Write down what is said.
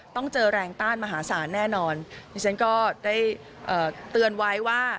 ต้องเจอแรงต้านมหาศาลแน่นอนดิฉันก็ได้เตือนไว้ว่า